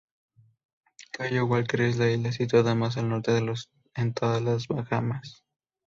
Cayo Walker es la isla situada más al norte en todas las Bahamas.